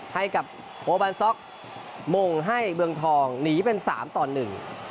ให้กับโอบานซ็อกมงให้เมืองทองหนีเป็นสามต่อหนึ่ง